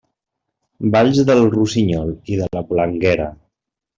Balls del Rossinyol i de la Bolangera.